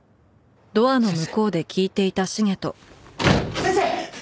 先生！